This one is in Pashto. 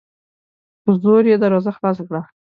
په زور یې دروازه خلاصه کړه